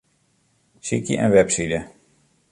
Sykje in webside.